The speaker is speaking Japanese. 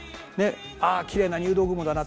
ああきれいな入道雲だな。